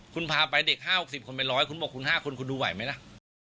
คุณพาไปเด็ก๕๖๐คนไป๑๐๐คุณบอกคุณ๕คนคุณดูไหวไหมล่ะ